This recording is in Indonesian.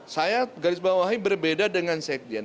saya garis bawahi berbeda dengan sekjen